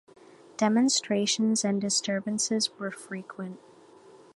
Demonstrations and disturbances were frequent.